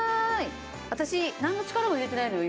私なんの力も入れてないのよ